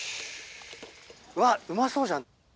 うわうまそうじゃん。